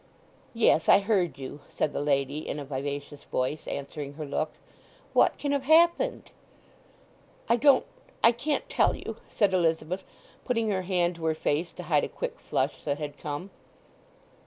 "Yes, I heard you," said the lady, in a vivacious voice, answering her look. "What can have happened?" "I don't—I can't tell you," said Elizabeth, putting her hand to her face to hide a quick flush that had come.